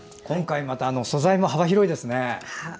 今回、素材も幅広いですね。